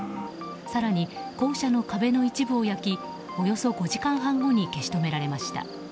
更に校舎の壁の一部を焼きおよそ５時間半後に消し止められました。